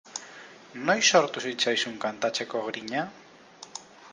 Noiz sortu zitzaizun kantatzeko grina?